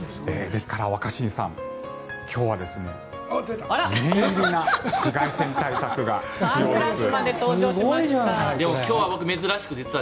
ですから若新さん今日は念入りな紫外線対策が必要です。